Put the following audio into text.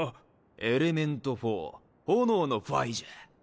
エレメント４・炎のファイじゃ。